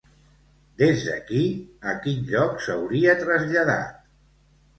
Des d'aquí, a quin lloc s'hauria traslladat?